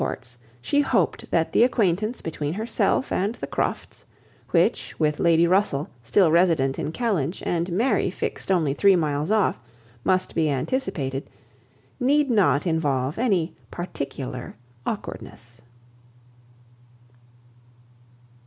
With these supports, she hoped that the acquaintance between herself and the Crofts, which, with Lady Russell, still resident in Kellynch, and Mary fixed only three miles off, must be anticipated, need not involve any particular awkwardness.